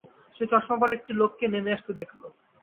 সে চশমা-পরা একটি লোককে নেমে আসতে দেখল।